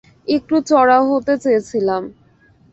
একটু চড়াও হতে চেয়েছিলাম।